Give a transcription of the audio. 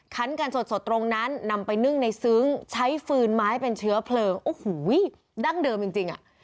กันสดตรงนั้นนำไปนึ่งในซึ้งใช้ฟืนไม้เป็นเชื้อเพลิงโอ้โหดั้งเดิมจริงอ่ะ